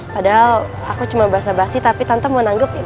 padahal aku cuma basa basi tapi tante mau nanggepin